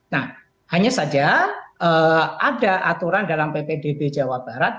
nah hanya saja ada aturan dalam ppdb jawa barat